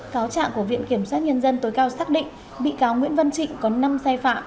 cáo trạng của viện kiểm soát nhân dân tối cao xác định bị cáo nguyễn văn trịnh có năm sai phạm